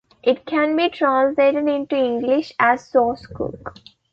It can be translated into English as "sauce cook".